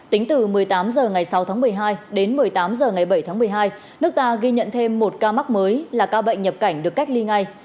tính từ một mươi tám h ngày sáu tháng một mươi hai đến một mươi tám h ngày bảy tháng một mươi hai nước ta ghi nhận thêm một ca mắc mới là ca bệnh nhập cảnh được cách ly ngay